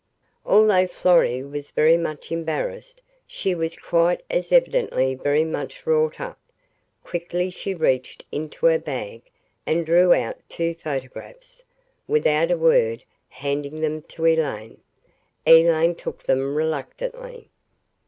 Although Florrie was very much embarrassed, she was quite as evidently very much wrought up. Quickly she reached into her bag and drew out two photographs, without a word, handing them to Elaine. Elaine took them reluctantly.